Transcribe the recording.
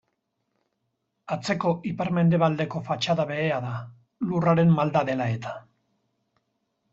Atzeko ipar-mendebaldeko fatxada behea da, lurraren malda dela-eta.